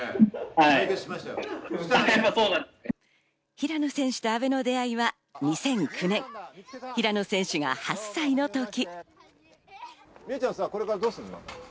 平野選手と阿部の出会いは２００９年、平野選手が８歳のとき。